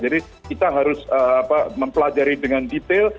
jadi kita harus mempelajari dengan detail